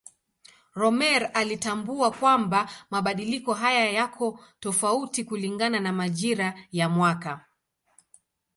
Rømer alitambua kwamba mabadiliko haya yako tofauti kulingana na majira ya mwaka.